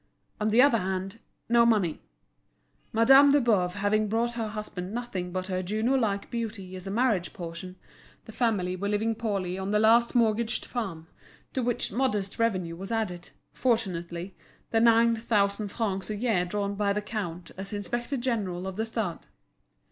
On the other hand, no money. Madame de Boves having brought her husband nothing but her Juno like beauty as a marriage portion, the family were living poorly on the last mortgaged farm, to which modest revenue was added, fortunately, the nine thousand francs a year drawn by the count as Inspector General of the Stud.